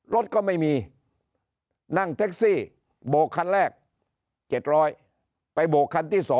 รถก็ไม่มีนั่งแท็กซี่โบกคันแรก๗๐๐ไปโบกคันที่๒